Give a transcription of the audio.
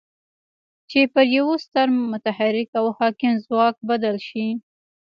چې پر يوه ستر متحرک او حاکم ځواک بدل شي.